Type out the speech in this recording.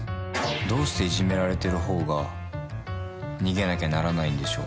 「どうしていじめられてる方が逃げなきゃならないんでしょう」